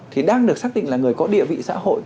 thì đang được xác định là người có địa vị xã hội